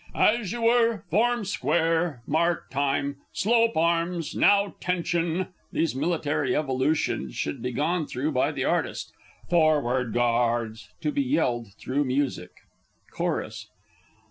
_ As you were!... Form Square!... Mark Time!... Slope Arms!... now 'Tention!... (These military evolutions should all be gone through by the Artist.) Forward, Guards! [To be yelled through music. _Chorus.